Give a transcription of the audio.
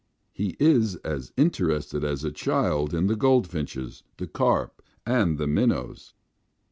He is as interested as a child in the goldfinches, the carp, and the minnows.